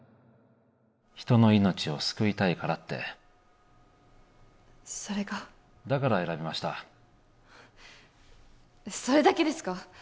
人の命を救いたいからってそれがだから選びましたそれだけですか？